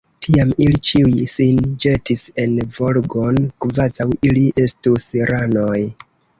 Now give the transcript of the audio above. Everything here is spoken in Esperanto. Tiam ili ĉiuj sin ĵetis en Volgon, kvazaŭ ili estus ranoj.